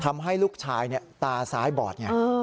ทำให้ลูกชายตาซ้ายบอดไง